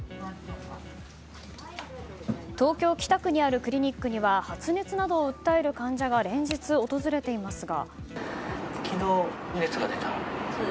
東京・北区にあるクリニックには発熱などを訴える患者が連日訪れていますが。